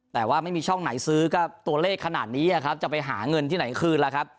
แต่ว่าไม่มีช่องไหนซื้อก็ตัวเลขขนาดนี้จะไปหาเงินที่ไหนคืนล่ะครับ